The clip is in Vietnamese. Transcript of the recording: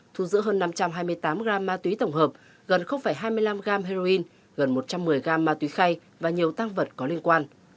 thu giữ hơn năm trăm hai mươi tám gram ma túy tổng hợp gần hai mươi năm gram heroin gần một trăm một mươi gram ma túy khay và nhiều tăng vật có liên quan